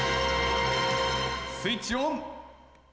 スイッチオン！